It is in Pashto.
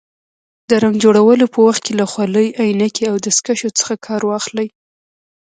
د رنګ جوړولو په وخت کې له خولۍ، عینکې او دستکشو څخه کار واخلئ.